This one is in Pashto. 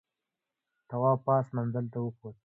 تواب پاس منزل ته وخوت.